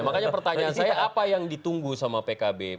makanya pertanyaan saya apa yang ditunggu sama pkb